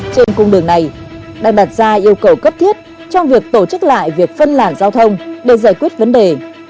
trên cung đường này đang đặt ra yêu cầu cấp thiết trong việc tổ chức lại việc phân làn giao thông để giải quyết vấn đề